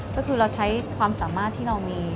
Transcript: ก็คือเราใช้ความสามารถที่เรามี